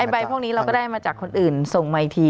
ไอ้ใบพวกนี้เราก็ได้มาจากคนอื่นส่งใหม่ที